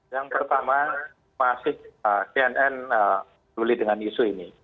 yang pertama masih tnn luli dengan isu ini